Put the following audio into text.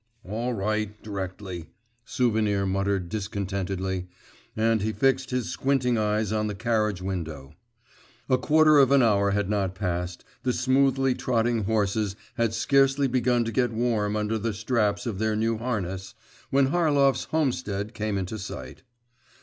'All right, d'rectly,' Souvenir muttered discontentedly, and he fixed his squinting eyes on the carriage window. A quarter of an hour had not passed, the smoothly trotting horses had scarcely begun to get warm under the straps of their new harness, when Harlov's homestead came into sight.